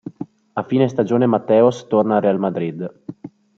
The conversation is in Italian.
A fine stagione Mateos torna al Real Madrid.